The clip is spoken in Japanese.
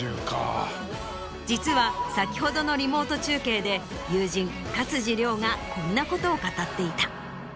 実は先ほどのリモート中継で友人勝地涼がこんなことを語っていた。